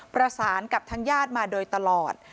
ประสานกับทางญาติมาโดยตลอด